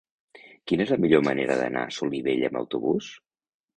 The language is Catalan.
Quina és la millor manera d'anar a Solivella amb autobús?